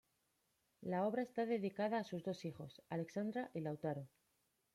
La obra está dedicada a sus dos hijos, Alexandra y Lautaro.